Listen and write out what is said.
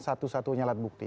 satu satunya alat bukti